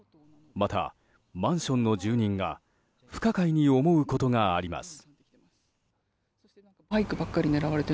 また、マンションの住人が不可解に思うことがあります。